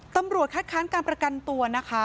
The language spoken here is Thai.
ตำรวจคลาดค้านการบันการตัวนะคะ